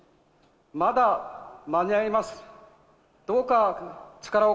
まだ間に合います。